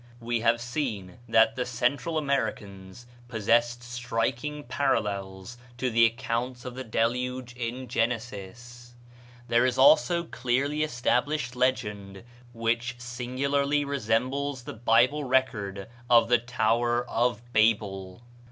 We have seen that the Central Americans possessed striking parallels to the account of the Deluge in Genesis. There is also a clearly established legend which singularly resembles the Bible record of the Tower of Babel.